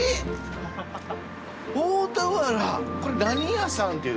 大田原これ何屋さんっていう。